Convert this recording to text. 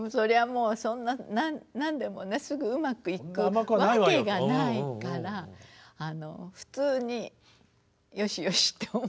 もうそんな何でもねすぐうまくいくわけがないから普通によしよしって思ってました。